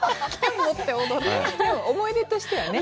思い出としてはね。